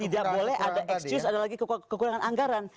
tidak boleh ada excuse ada lagi kekurangan anggaran